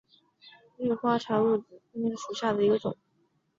绿花茶藨子为虎耳草科茶藨子属下的一个种。